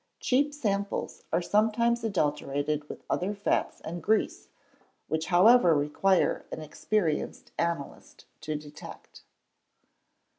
Cheap samples are sometimes adulterated with other fats and grease, which however require an experienced analyst to detect.